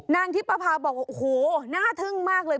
นางทิปภาบอกว่าโอ้โหน่าทึ่งมากเลย